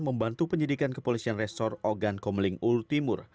membantu penyidikan kepolisian restor ogan komeling uru timur